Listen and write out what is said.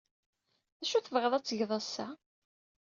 D acu ay tebɣid ad tged ass-a?